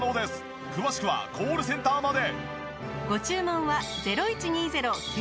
詳しくはコールセンターまで。